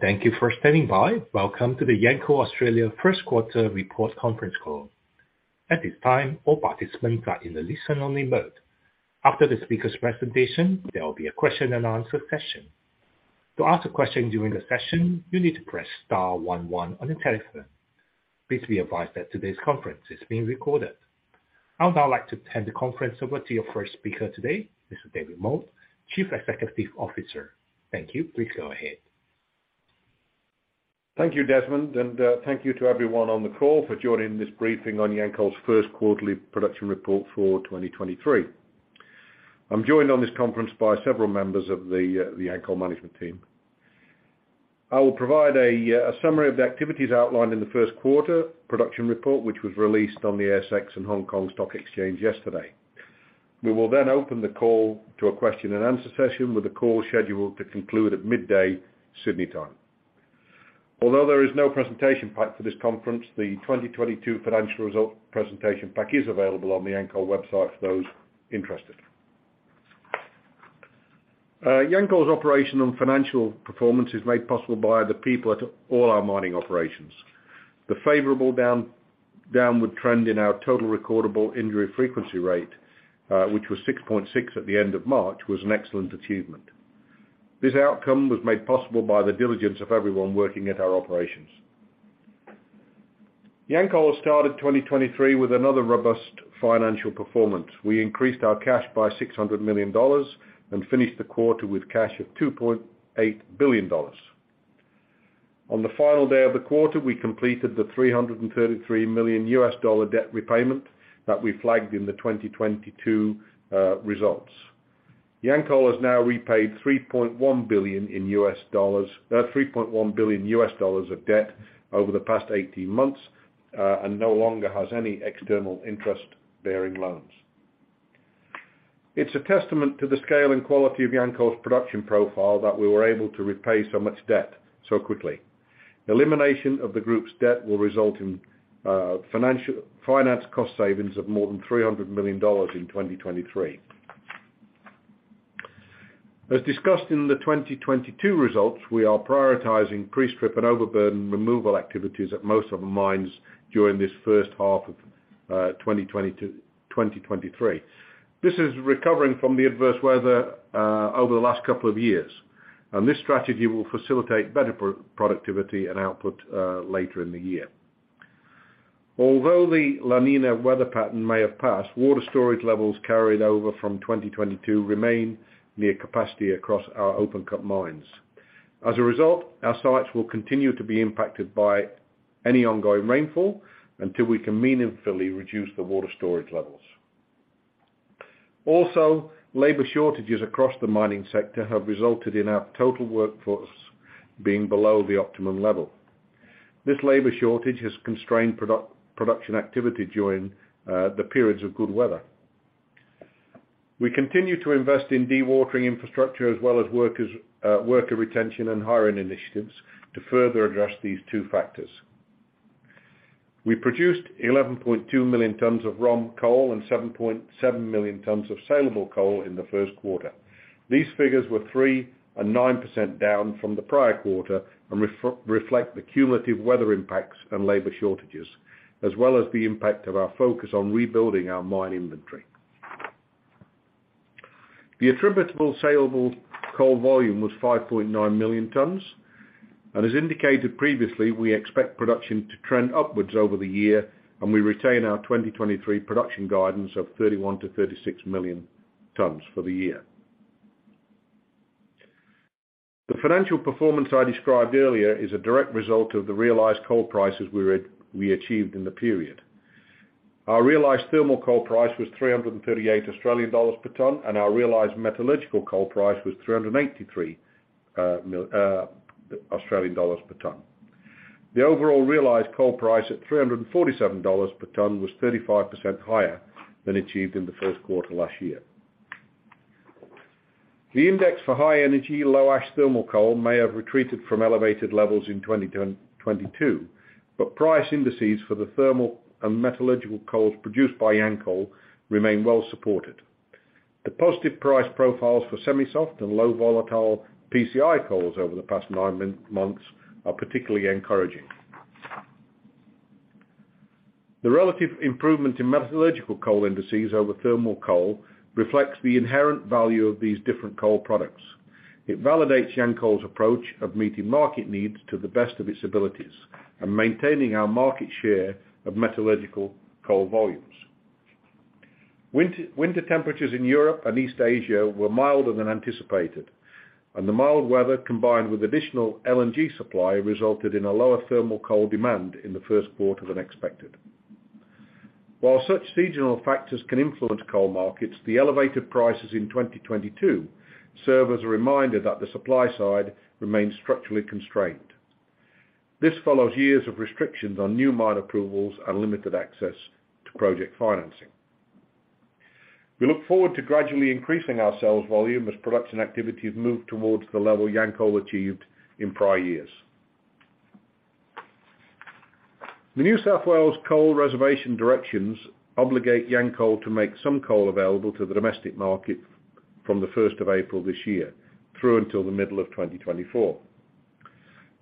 Thank you for standing by. Welcome to the Yancoal Australia Q1 report conference call. At this time, all participants are in the listen-only mode. After the speaker's presentation, there will be a question and answer session. To ask a question during the session, you need to press star one one on your telephone. Please be advised that today's conference is being recorded. I would now like to hand the conference over to your first speaker today, Mr. David Moult, Chief Executive Officer. Thank you. Please go ahead. Thank you, Desmond. Thank you to everyone on the call for joining this briefing on Yancoal's first quarterly production report for 2023. I'm joined on this conference by several members of the Yancoal management team. I will provide a summary of the activities outlined in the Q1 production report, which was released on the ASX and Hong Kong Stock Exchange yesterday. We will then open the call to a question and answer session with the call scheduled to conclude at midday Sydney time. Although there is no presentation pack for this conference, the 2022 financial result presentation pack is available on the Yancoal website for those interested. Yancoal's operation and financial performance is made possible by the people at all our mining operations. The favorable downward trend in our Total Recordable Injury Frequency Rate, which was 6.6 at the end of March, was an excellent achievement. This outcome was made possible by the diligence of everyone working at our operations. Yancoal started 2023 with another robust financial performance. We increased our cash by $600 million and finished the quarter with cash of $2.8 billion. On the final day of the quarter, we completed the $333 million debt repayment that we flagged in the 2022 results. Yancoal has now repaid $3.1 billion of debt over the past 18 months and no longer has any external interest-bearing loans. It's a testament to the scale and quality of Yancoal's production profile that we were able to repay so much debt so quickly. Elimination of the group's debt will result in finance cost savings of more than 300 million dollars in 2023. As discussed in the 2022 results, we are prioritizing pre-strip and overburden removal activities at most of the mines during this first half of 2023. This is recovering from the adverse weather over the last couple of years, and this strategy will facilitate better pro-productivity and output later in the year. Although the La Niña weather pattern may have passed, water storage levels carried over from 2022 remain near capacity across our open cut mines. As a result, our sites will continue to be impacted by any ongoing rainfall until we can meaningfully reduce the water storage levels. Labor shortages across the mining sector have resulted in our total workforce being below the optimum level. This labor shortage has constrained production activity during the periods of good weather. We continue to invest in dewatering infrastructure as well as workers, worker retention and hiring initiatives to further address these two factors. We produced 11.2 million tons of raw coal and 7.7 million tons of sellable coal in the Q1. These figures were 3% and 9% down from the prior quarter and reflect the cumulative weather impacts and labor shortages, as well as the impact of our focus on rebuilding our mine inventory. The attributable sellable coal volume was 5.9 million tons, and as indicated previously, we expect production to trend upwards over the year, and we retain our 2023 production guidance of 31 million-36 million tons for the year. The financial performance I described earlier is a direct result of the realized coal prices we achieved in the period. Our realized thermal coal price was 338 Australian dollars per ton, and our realized metallurgical coal price was 383 Australian dollars per ton. The overall realized coal price at 347 dollars per ton was 35% higher than achieved in the Q1 last year. The index for high energy, low ash thermal coal may have retreated from elevated levels in 2022, but price indices for the thermal and metallurgical coal produced by Yancoal remain well supported. The positive price profiles for semi-soft and low volatile PCI coals over the past nine months are particularly encouraging. The relative improvement in metallurgical coal indices over thermal coal reflects the inherent value of these different coal products. It validates Yancoal's approach of meeting market needs to the best of its abilities and maintaining our market share of metallurgical coal volumes. Winter temperatures in Europe and East Asia were milder than anticipated, and the mild weather, combined with additional LNG supply, resulted in a lower thermal coal demand in the Q1 than expected. While such seasonal factors can influence coal markets, the elevated prices in 2022 serve as a reminder that the supply side remains structurally constrained. This follows years of restrictions on new mine approvals and limited access to project financing. We look forward to gradually increasing our sales volume as production activities move towards the level Yancoal achieved in prior years. The New South Wales coal reservation directions obligate Yancoal to make some coal available to the domestic market from the 1st of April this year through until the middle of 2024.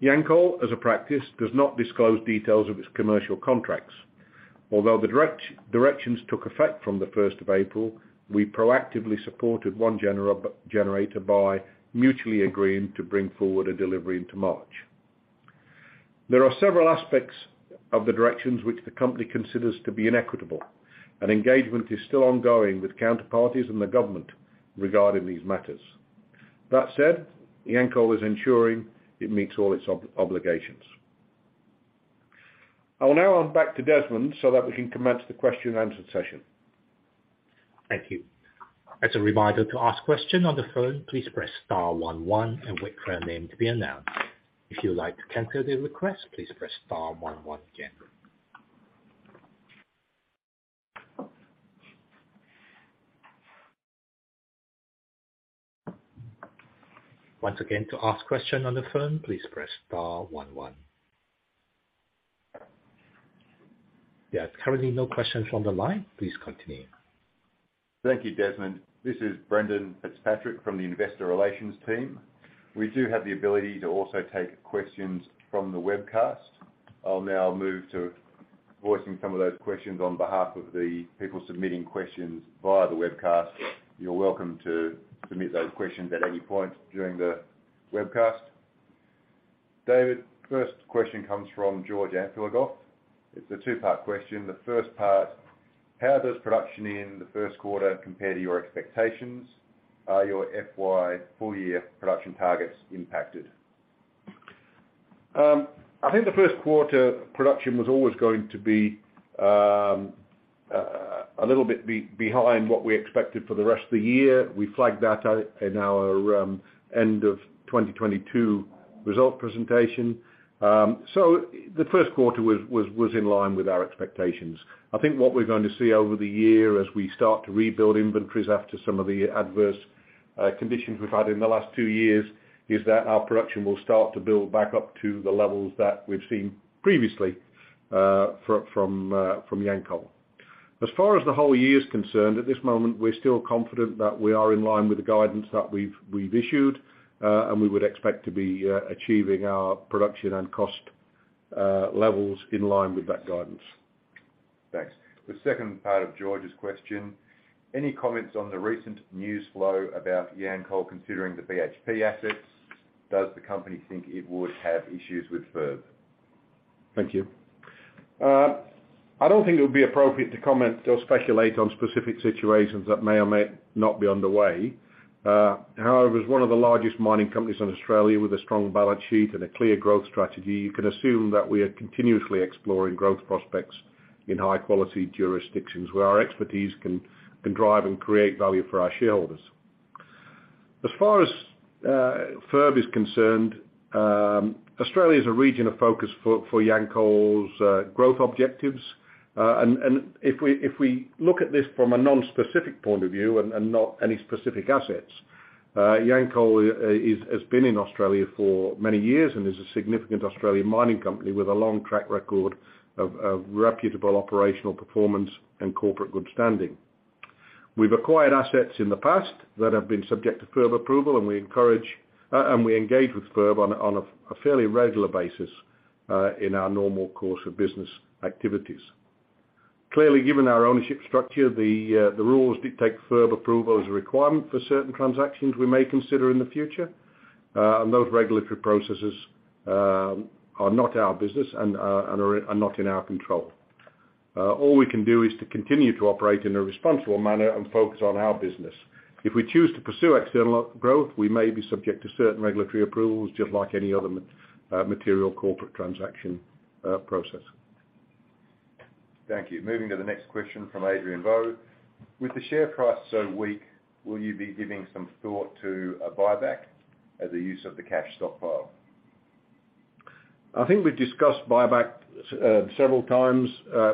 Yancoal, as a practice, does not disclose details of its commercial contracts. The directions took effect from the 1st of April, we proactively supported one generator by mutually agreeing to bring forward a delivery into March. There are several aspects of the directions which the company considers to be inequitable. Engagement is still ongoing with counterparties and the government regarding these matters. That said, Yancoal is ensuring it meets all its obligations. I will now hand back to Desmond so that we can commence the question and answer session. Thank you. As a reminder to ask question on the phone, please press star one one and wait for your name to be announced. If you would like to cancel the request, please press star one one again. Once again, to ask question on the phone, please press star one one. There are currently no questions on the line. Please continue. Thank you, Desmond. This is Brendan Fitzpatrick from the investor relations team. We do have the ability to also take questions from the webcast. I'll now move to voicing some of those questions on behalf of the people submitting questions via the webcast. You're welcome to submit those questions at any point during the webcast. David, first question comes from George Amphigoreus. It's a two-part question. The first part, how does production in the Q1 compare to your expectations? Are your FY full year production targets impacted? I think the Q1 production was always going to be a little bit behind what we expected for the rest of the year. We flagged that out in our end of 2022 result presentation. The Q1 was in line with our expectations. I think what we're going to see over the year as we start to rebuild inventories after some of the adverse conditions we've had in the last two years, is that our production will start to build back up to the levels that we've seen previously from Yancoal. As far as the whole year is concerned, at this moment, we're still confident that we are in line with the guidance that we've issued. We would expect to be achieving our production and cost levels in line with that guidance. Thanks. The second part of George's question, any comments on the recent news flow about Yancoal considering the BHP assets? Does the company think it would have issues with FIRB? Thank you. I don't think it would be appropriate to comment or speculate on specific situations that may or may not be underway. However, as one of the largest mining companies in Australia with a strong balance sheet and a clear growth strategy, you can assume that we are continuously exploring growth prospects in high-quality jurisdictions where our expertise can drive and create value for our shareholders. As far as FIRB is concerned, Australia is a region of focus for Yancoal's growth objectives. If we look at this from a non-specific point of view and not any specific assets, Yancoal has been in Australia for many years and is a significant Australian mining company with a long track record of reputable operational performance and corporate good standing. We've acquired assets in the past that have been subject to FIRB approval, and we encourage and we engage with FIRB on a fairly regular basis in our normal course of business activities. Clearly, given our ownership structure, the rules dictate FIRB approval as a requirement for certain transactions we may consider in the future. Those regulatory processes are not our business and are not in our control. All we can do is to continue to operate in a responsible manner and focus on our business. If we choose to pursue external growth, we may be subject to certain regulatory approvals, just like any other material corporate transaction process. Thank you. Moving to the next question from Adrian Voh. With the share price so weak, will you be giving some thought to a buyback as a use of the cash stockpile? I think we've discussed buyback several times,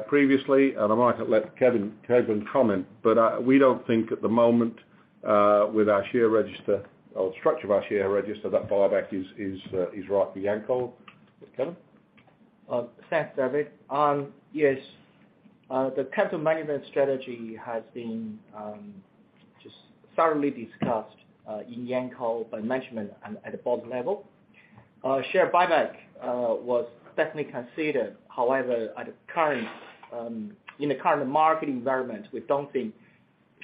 previously, and I might let Kevin comment, but we don't think at the moment, with our share register or structure of our share register, that buyback is right for Yancoal. Kevin? Thanks, David. Yes, the capital management strategy has been just thoroughly discussed in Yancoal by management and at the board level. Share buyback was definitely considered. However, at the current in the current market environment, we don't think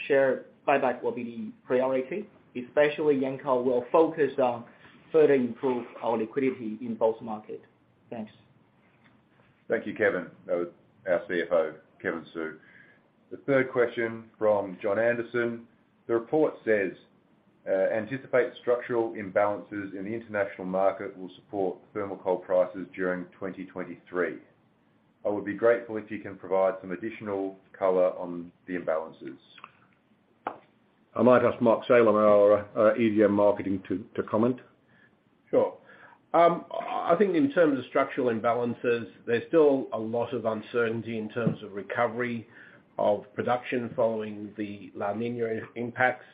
share buyback will be the priority, especially Yancoal will focus on further improve our liquidity in both market. Thanks. Thank you, Kevin. That was our CFO, Kevin Su. The third question from John Anderson. The report says, anticipate structural imbalances in the international market will support thermal coal prices during 2023. I would be grateful if you can provide some additional color on the imbalances. I might ask Mark Salem, our EGM Marketing to comment. Sure. I think in terms of structural imbalances, there's still a lot of uncertainty in terms of recovery of production following the La Niña impacts.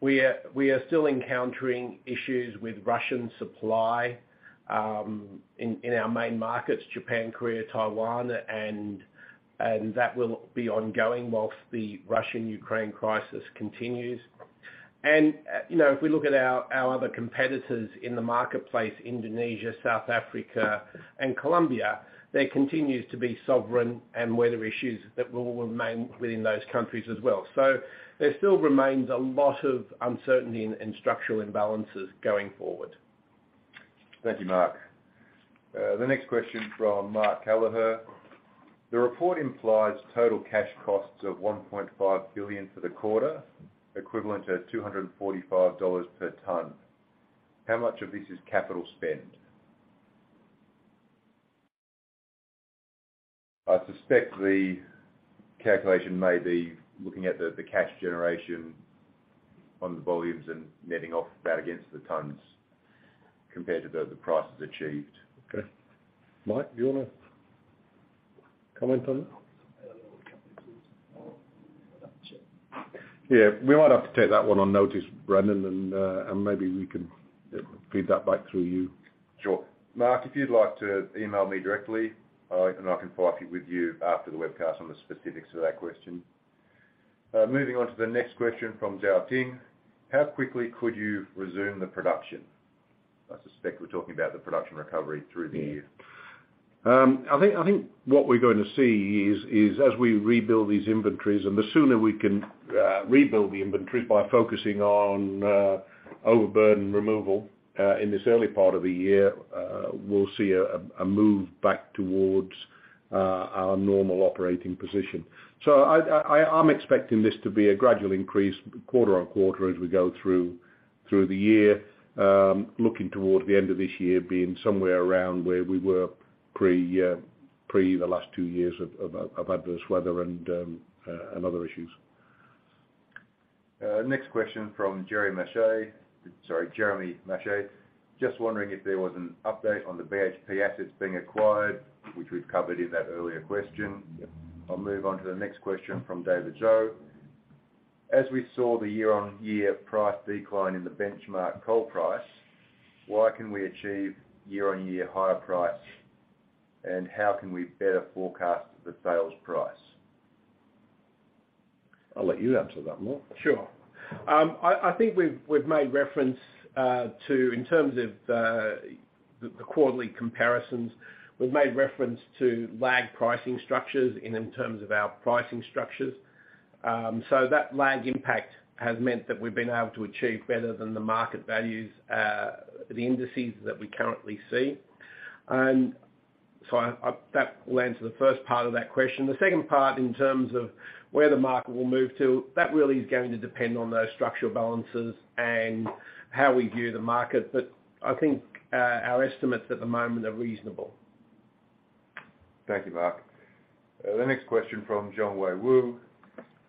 We are still encountering issues with Russian supply in our main markets, Japan, Korea, Taiwan, and that will be ongoing whilst the Russian-Ukraine crisis continues. You know, if we look at our other competitors in the marketplace, Indonesia, South Africa, and Colombia, there continues to be sovereign and weather issues that will remain within those countries as well. There still remains a lot of uncertainty and structural imbalances going forward. Thank you, Mark. The next question from Mark Kelleher. The report implies total cash costs of 1.5 billion for the quarter, equivalent to 245 dollars per ton. How much of this is capital spend? I suspect the calculation may be looking at the cash generation on the volumes and netting off that against the tons compared to the prices achieved. Okay. Mike, do you wanna comment on that? We might have to take that one on notice, Brendan, and maybe we can feed that back through you. Sure. Mark, if you'd like to email me directly, and I can follow up with you after the webcast on the specifics of that question. Moving on to the next question from Zhao Ding. How quickly could you resume the production? I suspect we're talking about the production recovery through the year. I think what we're going to see is as we rebuild these inventories, and the sooner we can rebuild the inventories by focusing on overburden removal in this early part of the year, we'll see a move back towards our normal operating position. I, I'm expecting this to be a gradual increase quarter on quarter as we go through the year, looking toward the end of this year being somewhere around where we were pre the last two years of adverse weather and other issues. Next question from Jeremy Mache. Sorry, Jeremy Mache. Just wondering if there was an update on the BHP assets being acquired, which we've covered in that earlier question. Yeah. I'll move on to the next question from David Zhou. As we saw the year-on-year price decline in the benchmark coal price, why can we achieve year-on-year higher price? How can we better forecast the sales price? I'll let you answer that one, Mark. Sure. I think we've made reference to in terms of the quarterly comparisons, we've made reference to lagged pricing structures in terms of our pricing structures. That lag impact has meant that we've been able to achieve better than the market values, the indices that we currently see. That will answer the first part of that question. The second part, in terms of where the market will move to, that really is going to depend on those structural balances and how we view the market. I think our estimates at the moment are reasonable. Thank you, Mark. The next question from Jiang Wei Wu.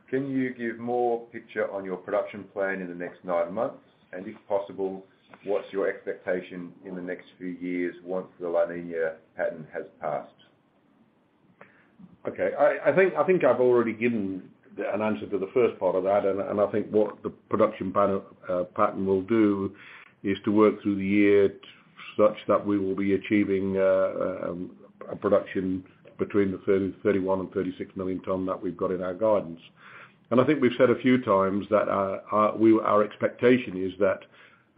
Can you give more picture on your production plan in the next nine months? If possible, what's your expectation in the next few years once the La Niña pattern has passed? Okay. I think I've already given an answer to the first part of that. I think what the production pattern will do is to work through the year such that we will be achieving a production between 31 and 36 million tons that we've got in our guidance. I think we've said a few times that our expectation is that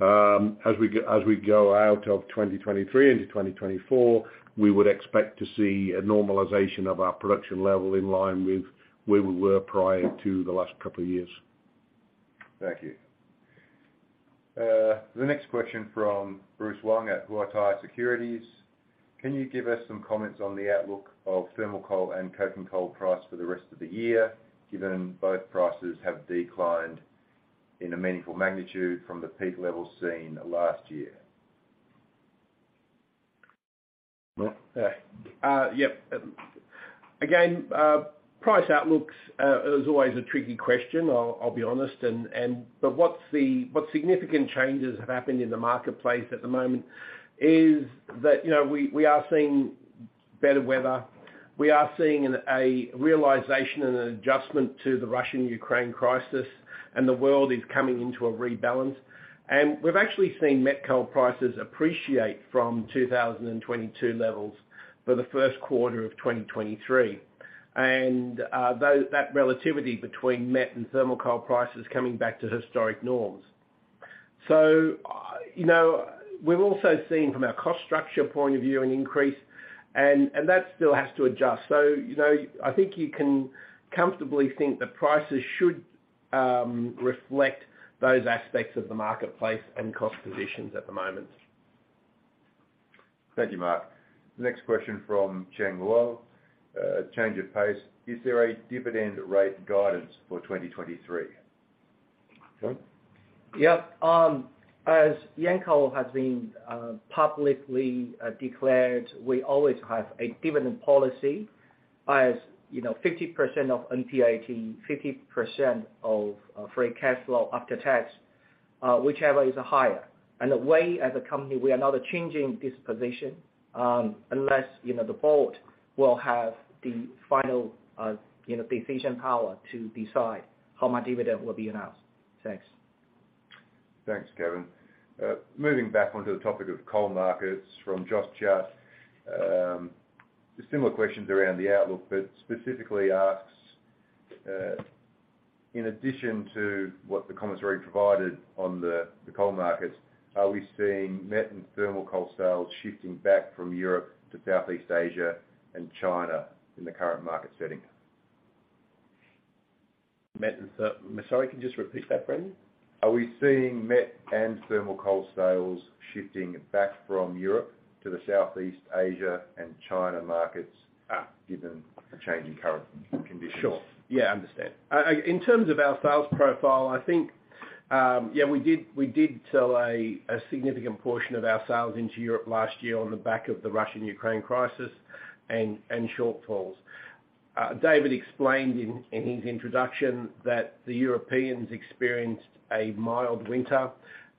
as we go out of 2023 into 2024, we would expect to see a normalization of our production level in line with where we were prior to the last couple of years. Thank you. The next question from Bruce Wang at Guotai Junan Securities. Can you give us some comments on the outlook of thermal coal and coking coal price for the rest of the year, given both prices have declined in a meaningful magnitude from the peak levels seen last year? Mark? Yep. Again, price outlooks is always a tricky question, I'll be honest. But what significant changes have happened in the marketplace at the moment is that, you know, we are seeing better weather. We are seeing a realization and an adjustment to the Russian-Ukraine crisis, and the world is coming into a rebalance. We've actually seen met coal prices appreciate from 2022 levels for the Q1 of 2023. That relativity between met and thermal coal prices coming back to historic norms. You know, we've also seen from our cost structure point of view an increase, and that still has to adjust. You know, I think you can comfortably think that prices should reflect those aspects of the marketplace and cost positions at the moment. Thank you, Mark. Next question from Chang Luo. change of pace. Is there a dividend rate guidance for 2023? Su? Yeah. As Yancoal has been publicly declared, we always have a dividend policy, as you know, 50% of NPAT, 50% of free cash flow after tax, whichever is higher. The way as a company, we are not changing this position, unless, you know, the board will have the final, you know, decision power to decide how much dividend will be announced. Thanks. Thanks, Kevin. Moving back onto the topic of coal markets from Josh Chiat, similar questions around the outlook, but specifically asks, in addition to what the comments were already provided on the coal markets, are we seeing met and thermal coal sales shifting back from Europe to Southeast Asia and China in the current market setting? Met and sorry, can you just repeat that, Brendan? Are we seeing met and thermal coal sales shifting back from Europe to the Southeast Asia and China markets? Ah. given the change in current conditions? Sure. Yeah, understand. In terms of our sales profile, I think, yeah, we did sell a significant portion of our sales into Europe last year on the back of the Russian-Ukraine crisis and shortfalls. David explained in his introduction that the Europeans experienced a mild winter,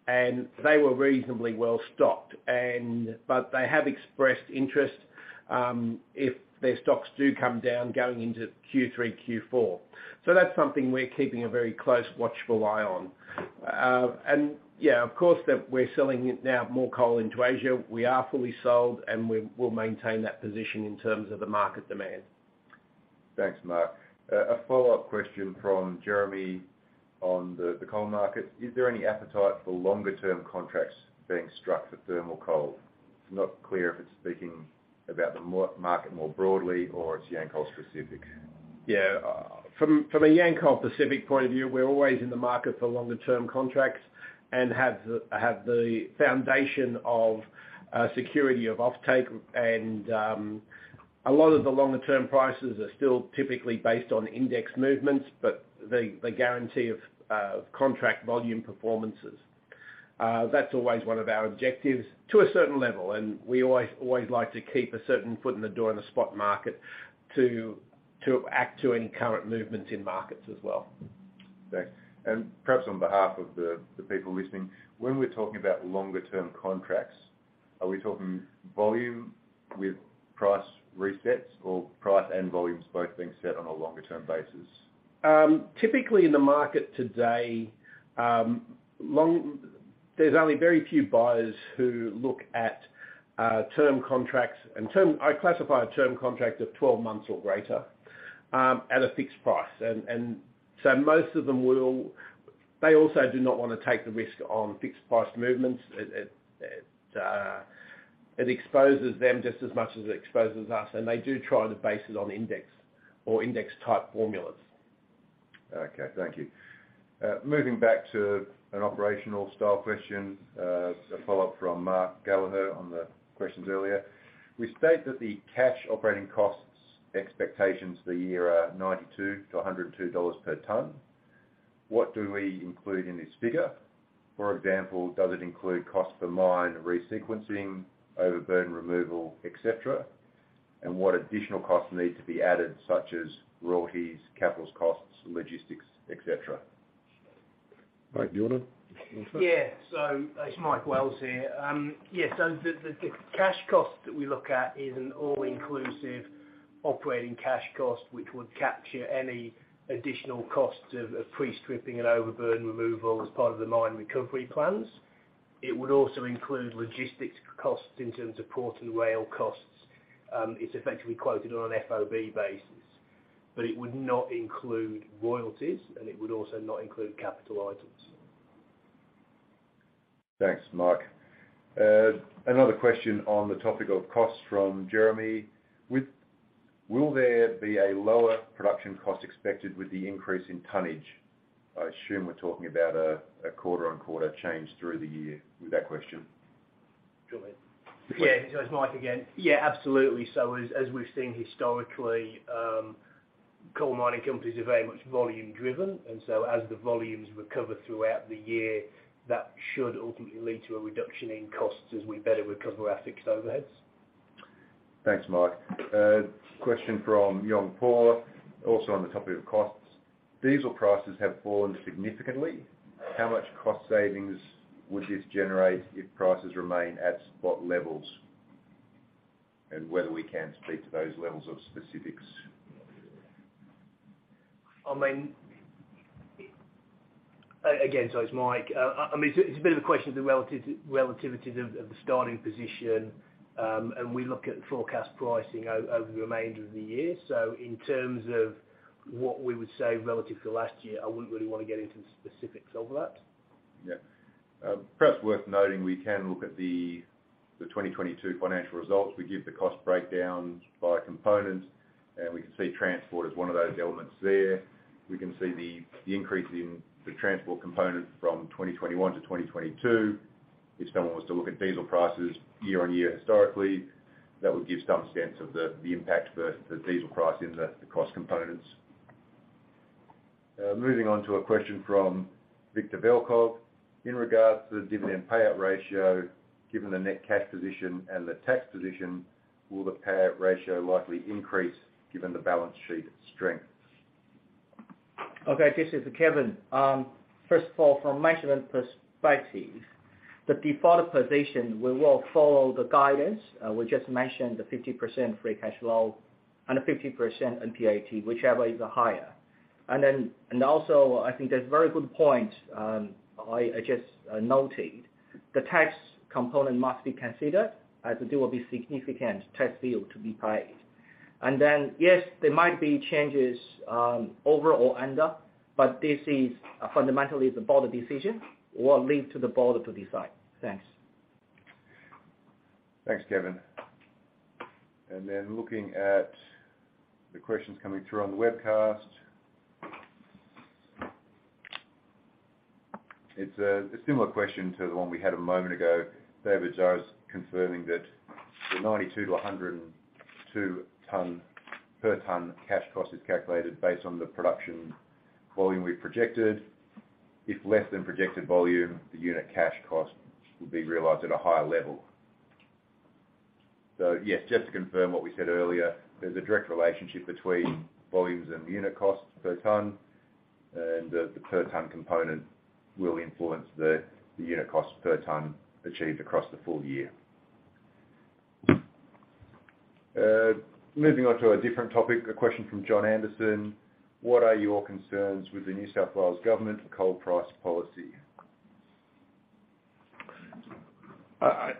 and they were reasonably well-stocked, and but they have expressed interest, if their stocks do come down, going into Q3, Q4. That's something we're keeping a very close watchful eye on. Yeah, of course that we're selling it now more coal into Asia. We are fully sold, and we will maintain that position in terms of the market demand. Thanks, Mark. A follow-up question from Jeremy Mache on the coal market. Is there any appetite for longer-term contracts being struck for thermal coal? It's not clear if it's speaking about the market more broadly or it's Yancoal specific. From a Yancoal specific point of view, we're always in the market for longer-term contracts and have the foundation of security of offtake and a lot of the longer-term prices are still typically based on index movements, but the guarantee of contract volume performances. That's always one of our objectives to a certain level, and we always like to keep a certain foot in the door in the spot market to act to any current movements in markets as well. Thanks. Perhaps on behalf of the people listening, when we're talking about longer-term contracts, are we talking volume with price resets or price and volumes both being set on a longer-term basis? Typically in the market today, there's only very few buyers who look at term contracts and I classify a term contract of 12 months or greater at a fixed price. They also do not wanna take the risk on fixed price movements. It exposes them just as much as it exposes us, and they do try to base it on index or index-type formulas. Okay. Thank you. Moving back to an operational style question, a follow-up from Mark Kelleher on the questions earlier. We state that the cash operating costs expectations for the year are 92-102 dollars per ton. What do we include in this figure? For example, does it include cost per mine resequencing, overburn removal, et cetera? What additional costs need to be added, such as royalties, capital costs, logistics, et cetera? Mike, do you wanna answer? Yeah. It's Mike Wells here. Yeah, the cash cost that we look at is an all-inclusive operating cash cost, which would capture any additional costs of pre-stripping and overburn removal as part of the mine recovery plans. It would also include logistics costs in terms of port and rail costs. It's effectively quoted on an FOB basis. It would not include royalties, and it would also not include capital items. Thanks, Mike. Another question on the topic of costs from Jeremy. Will there be a lower production cost expected with the increase in tonnage? I assume we're talking about a quarter-on-quarter change through the year with that question. Julie. Yeah. It's Mike again. Absolutely. As we've seen historically, coal mining companies are very much volume driven, and so as the volumes recover throughout the year, that should ultimately lead to a reduction in costs as we better recover our fixed overheads. Thanks, Mike. Question from Yung Pa, also on the topic of costs. Diesel prices have fallen significantly. How much cost savings would this generate if prices remain at spot levels? Whether we can speak to those levels of specifics. I mean, again. It's Mike. I mean, it's a bit of a question of the relative, relativity of the starting position. We look at forecast pricing over the remainder of the year. In terms of what we would say relative to last year, I wouldn't really wanna get into specifics of that. Yeah. Perhaps worth noting, we can look at the 2022 financial results. We give the cost breakdowns by components, and we can see transport as one of those elements there. We can see the increase in the transport component from 2021-2022. If someone was to look at diesel prices year-on-year historically, that would give some sense of the impact the diesel price in the cost components. Moving on to a question from Viktor Vellkov. In regards to the dividend payout ratio, given the net cash position and the tax position, will the payout ratio likely increase given the balance sheet strength? Okay, this is Kevin. first of all, from my perspective. The default position, we will follow the guidance. We just mentioned the 50% free cash flow and a 50% NPAT, whichever is higher. Also, I think that's a very good point, I just noted. The tax component must be considered as there will be significant tax bill to be paid. Yes, there might be changes, over or under, but this is fundamentally the board decision, will leave to the board to decide. Thanks. Thanks, Kevin. Looking at the questions coming through on the webcast. It's a similar question to the one we had a moment ago. David Zhao is confirming that the 92-102 ton per ton cash cost is calculated based on the production volume we projected. If less than projected volume, the unit cash cost will be realized at a higher level. Yes, just to confirm what we said earlier, there's a direct relationship between volumes and unit cost per ton, and the per ton component will influence the unit cost per ton achieved across the full year. Moving on to a different topic, a question from John Anderson. What are your concerns with the New South Wales government coal price policy? I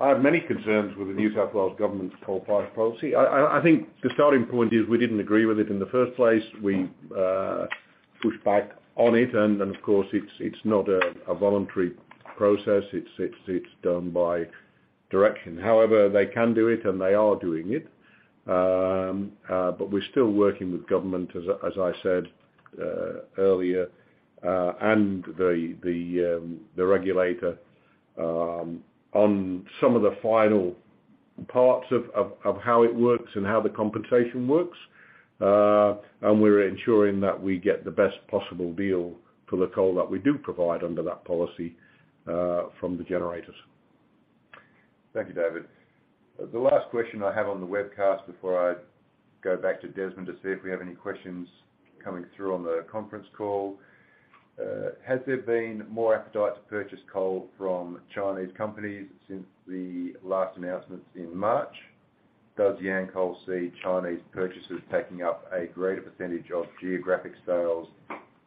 have many concerns with the New South Wales government's coal price policy. I think the starting point is we didn't agree with it in the first place. We pushed back on it and of course, it's not a voluntary process. It's done by direction. However, they can do it, and they are doing it. We're still working with government as I said earlier, and the regulator on some of the final parts of how it works and how the compensation works. We're ensuring that we get the best possible deal for the coal that we do provide under that policy from the generators. Thank you, David. The last question I have on the webcast before I go back to Desmond to see if we have any questions coming through on the conference call. Has there been more appetite to purchase coal from Chinese companies since the last announcements in March? Does Yancoal see Chinese purchasers taking up a greater percentage of geographic sales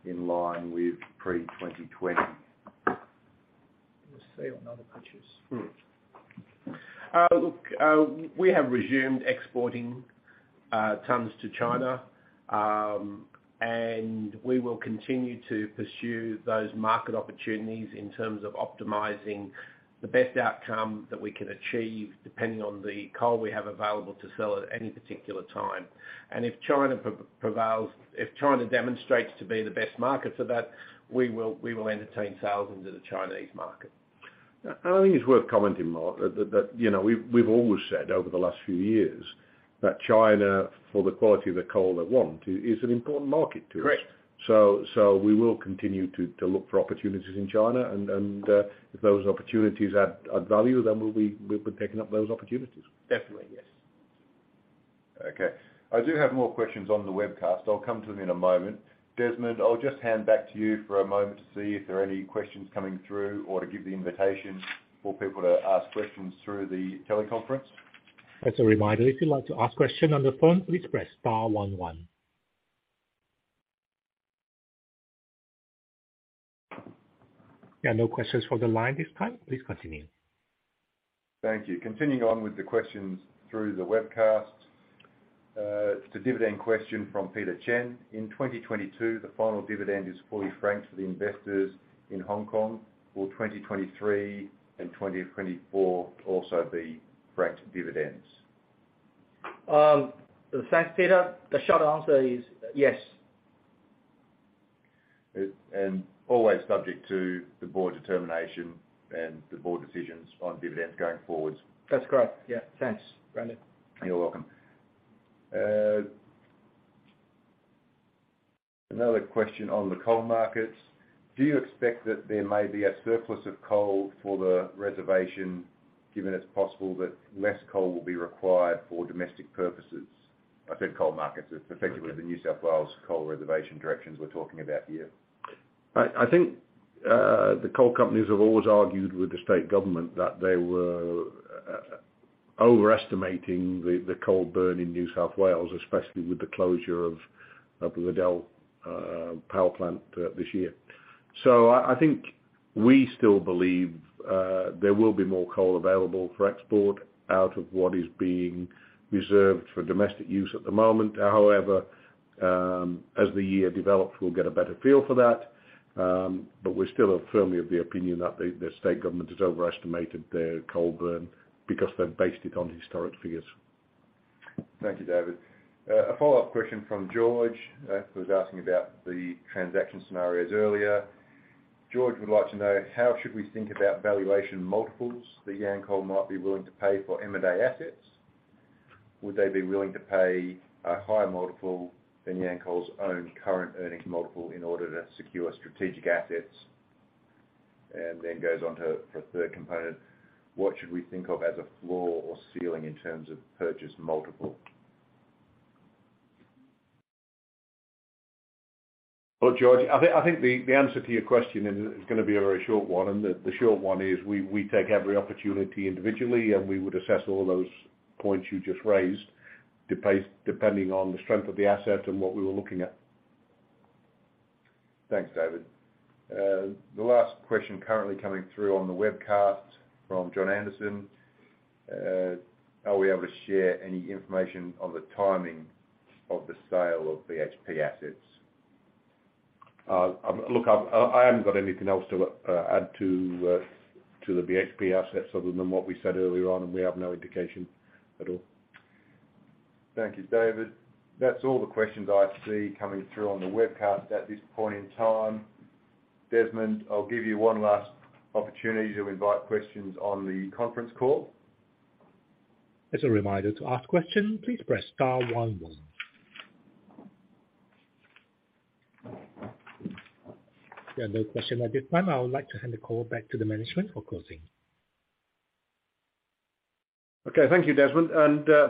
in line with pre-2020? The sale not the purchase. Mm-hmm. Look, we have resumed exporting tons to China. We will continue to pursue those market opportunities in terms of optimizing the best outcome that we can achieve, depending on the coal we have available to sell at any particular time. If China demonstrates to be the best market for that, we will entertain sales into the Chinese market. I think it's worth commenting, Mark, that, you know, we've always said over the last few years that China, for the quality of the coal they want, is an important market to us. Correct. We will continue to look for opportunities in China and, if those opportunities add value, then we'll be taking up those opportunities. Definitely, yes. Okay. I do have more questions on the webcast. I'll come to them in a moment. Desmond, I'll just hand back to you for a moment to see if there are any questions coming through or to give the invitation for people to ask questions through the teleconference. As a reminder, if you'd like to ask question on the phone, please press star one one. There are no questions for the line at this time. Please continue. Thank you. Continuing on with the questions through the webcast. It's a dividend question from Peter Chen. In 2022, the final dividend is fully franked for the investors in Hong Kong. Will 2023 and 2024 also be franked dividends? Thanks, Peter. The short answer is yes. Always subject to the board determination and the board decisions on dividends going forward. That's correct. Yeah. Thanks, Brendan. You're welcome. Another question on the coal markets. Do you expect that there may be a surplus of coal for the reservation, given it's possible that less coal will be required for domestic purposes? I said coal markets, it's effectively the New South Wales coal reservation directions we're talking about here. I think the coal companies have always argued with the state government that they were overestimating the coal burn in New South Wales, especially with the closure of the Liddell power plant this year. I think we still believe there will be more coal available for export out of what is being reserved for domestic use at the moment. However, as the year develops, we'll get a better feel for that. We're still firmly of the opinion that the state government has overestimated their coal burn because they've based it on historic figures. Thank you, David. A follow-up question from George, who was asking about the transaction scenarios earlier. George would like to know, how should we think about valuation multiples that Yancoal might be willing to pay for M&A assets? Would they be willing to pay a higher multiple than Yancoal's own current earnings multiple in order to secure strategic assets? Goes on to a third component. What should we think of as a floor or ceiling in terms of purchase multiple? George, I think the answer to your question is gonna be a very short one, and the short one is we take every opportunity individually, and we would assess all those points you just raised, depending on the strength of the asset and what we were looking at. Thanks, David. The last question currently coming through on the webcast from John Anderson. Are we able to share any information on the timing of the sale of BHP assets? Look, I haven't got anything else to add to the BHP assets other than what we said earlier on. We have no indication at all. Thank you, David. That's all the questions I see coming through on the webcast at this point in time. Desmond, I'll give you one last opportunity to invite questions on the conference call. As a reminder to ask question, please press star one one. There are no question at this time. I would like to hand the call back to the management for closing. Okay. Thank you, Desmond.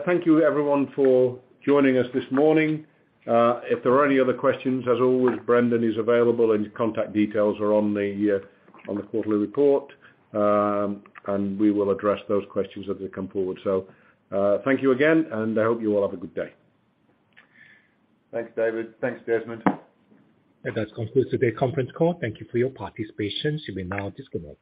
Thank you everyone for joining us this morning. If there are any other questions, as always, Brendan is available and his contact details are on the quarterly report. We will address those questions as they come forward. Thank you again, and I hope you all have a good day. Thanks, David. Thanks, Desmond. That concludes today's conference call. Thank you for your participation. You may now disconnect.